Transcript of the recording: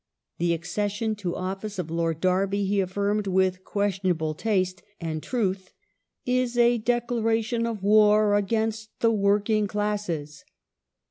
The accession to office of Lord Derby, he affirmed, with questionable taste and truth, " is a declaration of war against the working classes